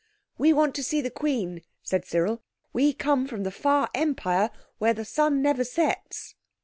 "We want to see the Queen," said Cyril; "we come from the far Empire where the sun never sets!"